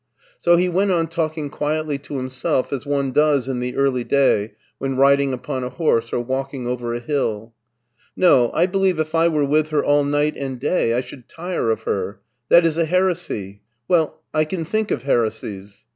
'' So he went on talking quietly to himself as one does in the early day when riding upon a horse or walking over a hill. " No, I believe if I were with her all night and day I should tire of her. That is a heresy. Well, I can think of heresies."